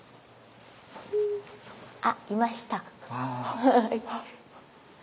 あいました。